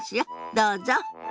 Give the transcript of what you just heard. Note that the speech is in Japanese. どうぞ。